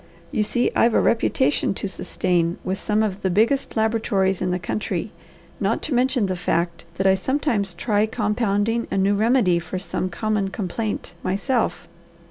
You see, I've a reputation to sustain with some of the biggest laboratories in the country, not to mention the fact that I sometimes try compounding a new remedy for some common complaint myself.